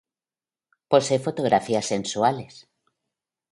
Posee fotografías sensuales.